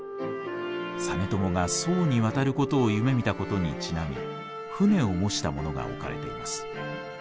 実朝が宋に渡ることを夢みたことにちなみ船を模したものが置かれています。